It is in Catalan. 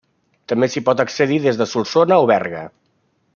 També s'hi pot accedir des de Solsona i Berga.